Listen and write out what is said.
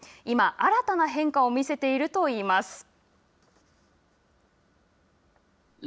今、新たな変化を見せているといいます。